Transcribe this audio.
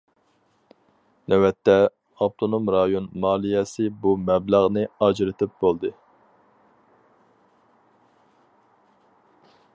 نۆۋەتتە، ئاپتونوم رايون مالىيەسى بۇ مەبلەغنى ئاجرىتىپ بولدى.